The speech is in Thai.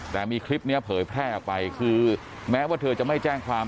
แต่มีคลิปนี้เผยแพร่ออกไปคือแม้ว่าเธอจะไม่แจ้งความ